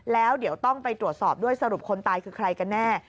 แล้วเดี๋ยวต้องไปตรวจสอบด้วยสรุปคนตายคือใครกันแน่